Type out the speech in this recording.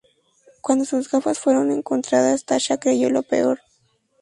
Cuando sus gafas fueron encontradas Tasha creyó lo peor.